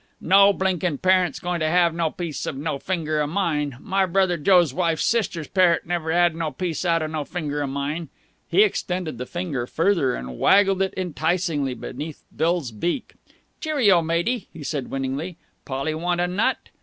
"No blinkin' parrot's goin' to 'ave no piece of no finger of mine! My brother Joe's wife's sister's parrot never 'ad no piece out of no finger of mine!" He extended the finger further and waggled it enticingly beneath Bill's beak. "Cheerio, matey!" he said winningly. "Polly want a nut?"